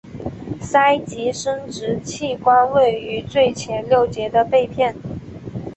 鳃及生殖器官位于最前六节的背片。